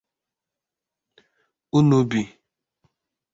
Unubi